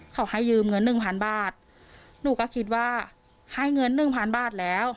เขาให้ยืมเงินหนึ่งพันบาทหนูก็คิดว่าให้เงินหนึ่งพันบาทแล้ว